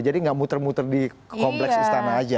jadi nggak muter muter di kompleks istana aja